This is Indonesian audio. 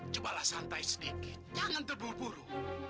cobalah santai sedikit jangan terburu buru